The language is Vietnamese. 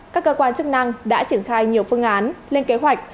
các cơ quan chức năng đã triển khai nhiều phương án lên kế hoạch